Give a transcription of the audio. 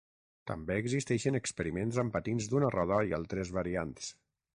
També existeixen experiments amb patins d'una roda i altres variants.